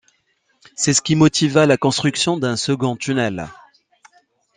C'est ce qui motiva la construction d'un second tunnel.